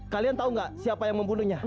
kalian tahu nggak siapa yang membunuhnya